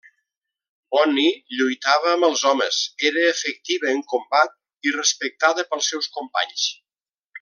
Bonny lluitava amb els homes, era efectiva en combat i respectada pels seus companys.